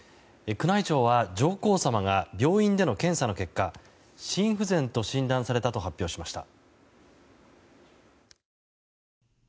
宮内庁は上皇さまが病院での検査の結果心不全と診断されたと発表しました。